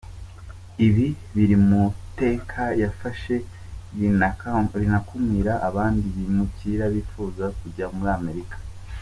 Ibi biri mu iteka yafashe rinakumira abandi bimukira bifuza kujya muri Amerika.